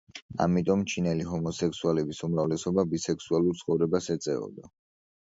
ამიტომ, ჩინელი ჰომოსექსუალების უმრავლესობა ბისექსუალურ ცხოვრებას ეწეოდა.